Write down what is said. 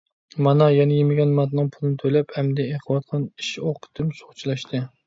مانا يەنە يېمىگەن مانتىنىڭ پۇلىنى تۆلەپ، ئەمدى ئېقىۋاتقان ئىش-ئوقىتىم سۇغا چىلاشتى.